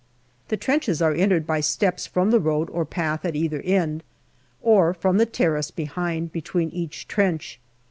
The trenches are entered by steps from the road or path at either end, or from the terrace behind between each trench.